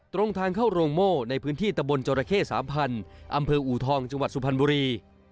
ตรงทางเข้าโรงโม่ในพื้นที่ตะบนจรเข้๓๐๐อำเภออูทองจังหวัดสุพรรณบุรี